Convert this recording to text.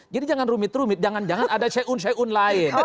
jadi jangan rumit rumit jangan jangan ada ceyun ceyun lain